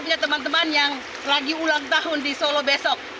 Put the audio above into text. punya teman teman yang lagi ulang tahun di solo besok